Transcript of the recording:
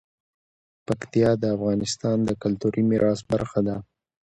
پکتیا د افغانستان د کلتوري میراث برخه ده.